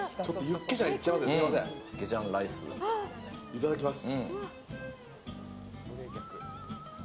いただきます。